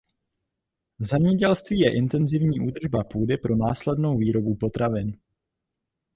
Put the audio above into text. Zemědělství je intenzivní údržba půdy pro následnou výrobu potravin.